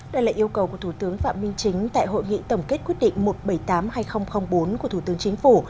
đây là yêu cầu của thủ tướng phạm minh chính tại hội nghị tổng kết quyết định một trăm bảy mươi tám hai nghìn bốn của thủ tướng chính phủ